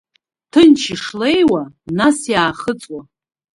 Ҭынч ишлеиуа, нас иаахыҵуа…